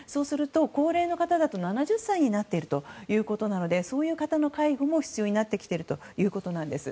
高齢の方だと７０歳になっているということなのでそういう方の介護も必要になってきているということなんです。